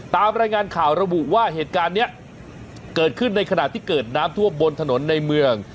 ตามรายงานข่าวระบุว่าเหตุการณ์นี้เกิดขึ้นในขณะที่เกิดน้ำท่วมบนถนนในเมือง